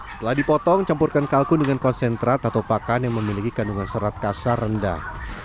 setelah dipotong campurkan kalkun dengan konsentrat atau pakan yang memiliki kandungan serat kasar rendah